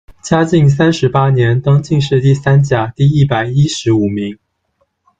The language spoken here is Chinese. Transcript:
嘉靖三十八年，登进士第三甲第一百一十五名。